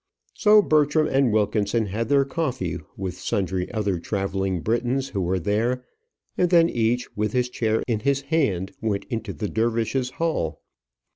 So Bertram and Wilkinson had their coffee with sundry other travelling Britons who were there; and then each, with his chair in his hand went into the dervishes' hall.